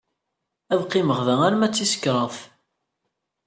Ad qqimeɣ da arma d tis kraḍt.